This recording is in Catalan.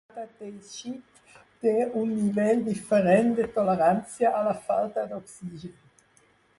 Cada teixit té un nivell diferent de tolerància a la falta d'oxigen.